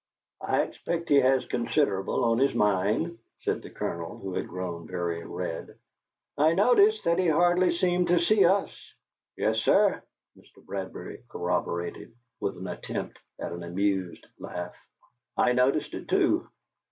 "I expect he has considerable on his mind," said the Colonel, who had grown very red. "I noticed that he hardly seemed to see us." "Yes, sir," Mr. Bradbury corroborated, with an attempt at an amused laugh. "I noticed it, too.